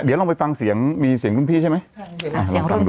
เดี๋ยวลองไปฟังเสียงมีเสียงรุ่นพี่ใช่ไหม